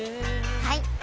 はい！